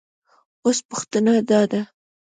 اوس پوښتنه دا ده